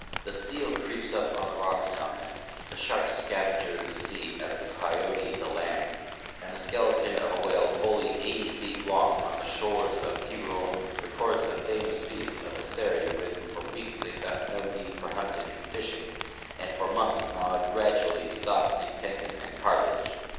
The seal crec))s up on the rocks now and then, the shark scavengers the sea as the coyote the land, and the skeleton of a whale fully 80 feet long on the shores of Tiburon records a famous feast of the Seri when for weeks they found no need for hunting and fishing and for months gnawed gradually softening tendon and cartilage.